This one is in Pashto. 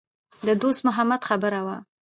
د دوست محمد خبره وه.